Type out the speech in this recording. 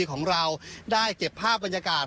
ของเราได้เก็บภาพบรรยากาศ